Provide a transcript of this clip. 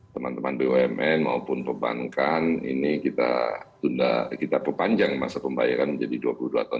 teman teman bumn maupun perbankan ini kita tunda kita perpanjang masa pembayaran menjadi dua puluh dua tahun